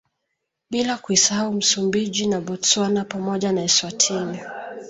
Bila kuisahau Msumbiji na Botswana pamoja na Eswatini